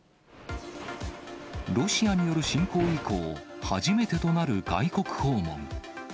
ロシアによる侵攻以降、初めてとなる外国訪問。